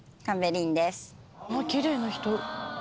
あっきれいな人。